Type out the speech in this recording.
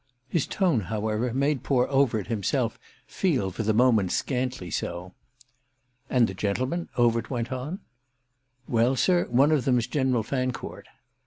His tone, however, made poor Overt himself feel for the moment scantly so. "And the gentlemen?" Overt went on. "Well, sir, one of them's General Fancourt."